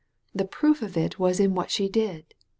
The proof of it was in what she did.